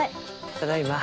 ただいま。